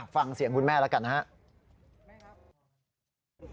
ฟังเสียงคุณแม่แล้วกันนะครับ